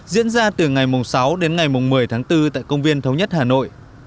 diễn ra từ ngày sáu đến ngày một mươi tháng bốn tại công viên thống nhất hà nội